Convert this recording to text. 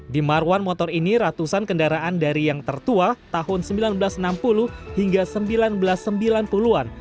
di marwan motor ini ratusan kendaraan dari yang tertua tahun seribu sembilan ratus enam puluh hingga seribu sembilan ratus sembilan puluh an